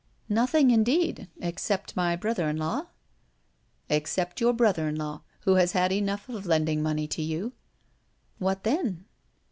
"Nothing, indeed except my brother in law." "Except your brother in law, who has had enough of lending money to you." "What then?"